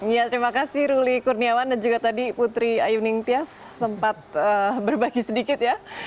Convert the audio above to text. ya terima kasih ruli kurniawan dan juga tadi putri ayu ningtyas sempat berbagi sedikit ya